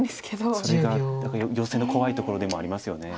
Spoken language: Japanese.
それがヨセの怖いところでもありますよね。